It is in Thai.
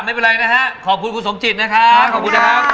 ไม่เป็นไรนะคะขอบคุณคุณสงจิตนะครับ